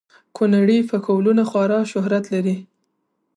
کونړي فکولونه خورا شهرت لري